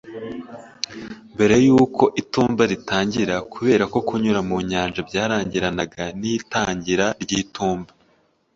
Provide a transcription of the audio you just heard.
mbere y’uko itumba ritangira kubera ko kunyura mu nyanja byarangiranaga n’itangira ry’itumba